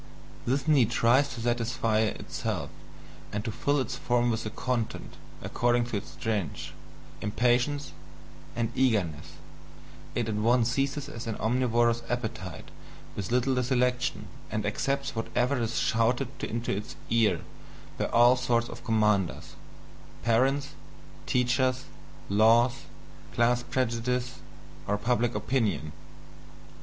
This need tries to satisfy itself and to fill its form with a content, according to its strength, impatience, and eagerness, it at once seizes as an omnivorous appetite with little selection, and accepts whatever is shouted into its ear by all sorts of commanders parents, teachers, laws, class prejudices, or public opinion.